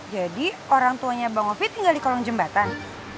jadi orang tuanya bang ovi tinggal di kolong jembatan